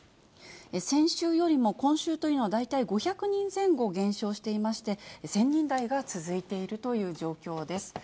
先週よりも今週というのは、大体５００人前後減少していまして、１０００人台が続いているという状況です。